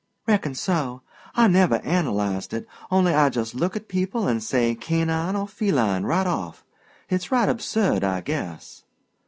"Reckon so. I never analyzed it only I just look at people an' say 'canine' or 'feline' right off. It's right absurd I guess."